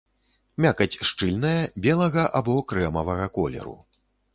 Мякаць шчыльная, белага або крэмавага колеру.